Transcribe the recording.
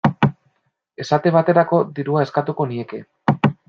Esate baterako, dirua eskatuko nieke.